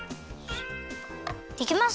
できました！